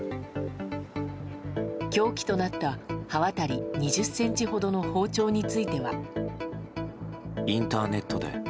凶器となった刃渡り２０ｃｍほどの包丁については。